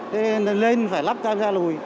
thế nên nên phải lắp camera lùi